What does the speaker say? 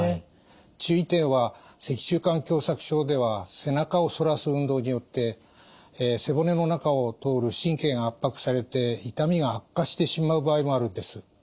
注意点は脊柱管狭さく症では背中を反らす運動によって背骨の中を通る神経が圧迫されて痛みが悪化してしまう場合もあるんです。